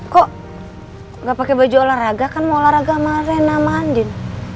kok gak pake baju olahraga kan mau olahraga sama rena sama andin